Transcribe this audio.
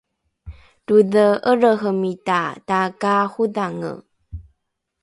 todhe’elrehemita takaarodhange